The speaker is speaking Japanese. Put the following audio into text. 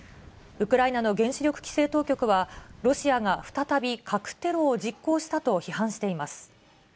ウクライナの原子力規制当局は、ロシアが再び核テロを実行したと批判しています。